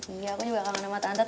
iya aku juga gak ada mata tante tau